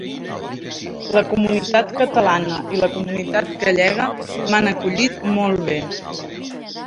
La comunitat catalana i la comunitat gallega m’han acollit molt bé.